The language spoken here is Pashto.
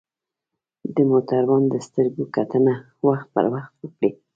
د موټروان د سترګو کتنه وخت پر وخت وکړئ.